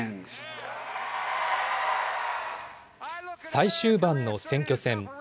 最終盤の選挙戦。